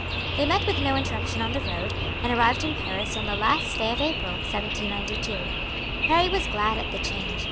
They met with no interruption on the road, and arrived in Paris on the last day of April, 1792. Harry was glad at the change.